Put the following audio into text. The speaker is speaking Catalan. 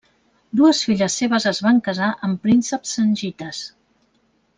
Dues filles seves es van casar amb prínceps zengites.